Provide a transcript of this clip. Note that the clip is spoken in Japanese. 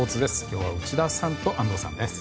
今日は内田さんと安藤さんです。